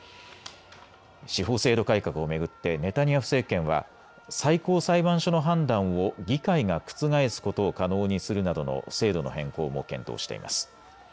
司法制度改革を巡ってネタニヤフ政権は最高裁判所の判断を議会が覆すことを可能にするなどの制度の変更も検討しています。